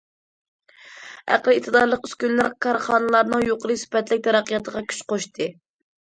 ئەقلىي ئىقتىدارلىق ئۈسكۈنىلەر كارخانىلارنىڭ يۇقىرى سۈپەتلىك تەرەققىياتىغا كۈچ قوشتى.